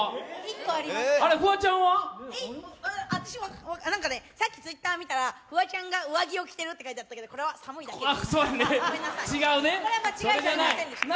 私、さっきＴｗｉｔｔｅｒ見たら、フワちゃんが上着を着てるって書いてあったけどこれは寒いだけです、ごめんなさい。